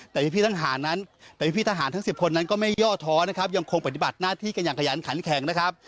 แต่พี่ทหารนั้นแต่พี่ทหารทั้ง๑๐คนนั้นก็ไม่ย่อท้อนะครับยังคงปฏิบัติหน้าที่กันอย่างขยันขันแข็งนะครับ